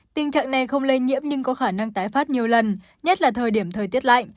tình trạng này không lây nhiễm nhưng có khả năng tái phát nhiều lần nhất là thời điểm thời tiết lạnh